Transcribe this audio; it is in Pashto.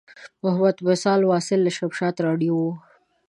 محمد واصل وصال له شمشاد راډیو و.